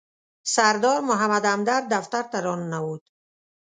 سردار محمد همدرد دفتر ته راننوت.